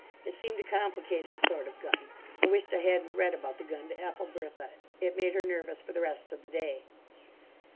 It seemed a complicated sort of gun. I wished I hadn't read about the gun to Ethelbertha. It made her nervous for the rest of the day.